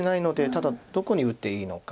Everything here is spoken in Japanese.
ただどこに打っていいのか。